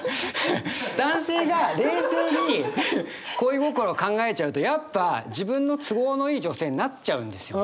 男性が冷静に恋心を考えちゃうとやっぱ自分の都合のいい女性になっちゃうんですよ。